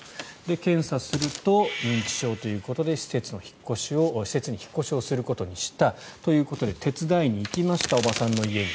検査すると、認知症ということで施設に引っ越しをすることにしたということで手伝いに行きました叔母さんの家に。